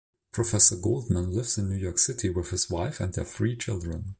Professor Goldman lives in New York City with his wife and their three children.